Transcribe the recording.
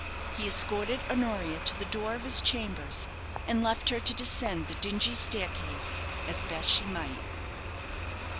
He escorted Honoria to the door of his chambers, and left her to descend the dingy staircase as best as she might.